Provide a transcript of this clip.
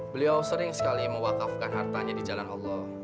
beliau sering sekali mewakafkan hartanya di jalan allah